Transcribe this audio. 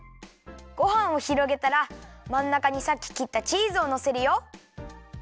ごはんをひろげたらまんなかにさっききったチーズをのせるよ。